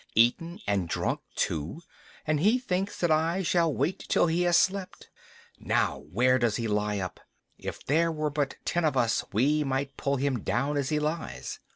Eaten and drunk too, and he thinks that I shall wait till he has slept! Now, where does he lie up? If there were but ten of us we might pull him down as he lies.